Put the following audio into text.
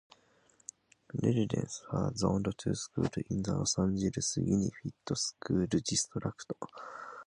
Residents are zoned to schools in the Los Angeles Unified School District.